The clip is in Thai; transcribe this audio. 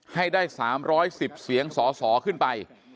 ให้ได้๓๑๐เสียงสสขึ้นไป